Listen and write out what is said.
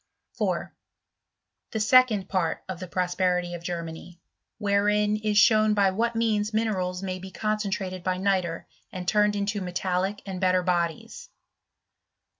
4. The second part of the Prosperity of Germany < wherein is shown by what means minerals may W concentrated by nitre, and turned mto metallic and better bodies.